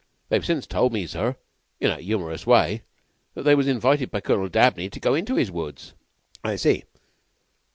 They've since told me, sir, in a humorous way, that they was invited by Colonel Dabney to go into 'is woods." "I see.